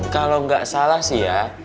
kalo gak salah sih ya